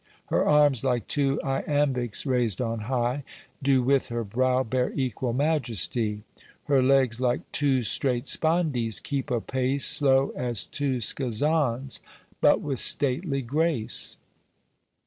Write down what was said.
Her arms like two Iambics raised on hie, Doe with her brow bear equal majestie; Her legs like two straight spondees keep apace Slow as two scazons, but with stately grace.